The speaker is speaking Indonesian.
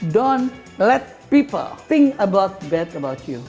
jangan biarkan orang berpikir buruk tentang anda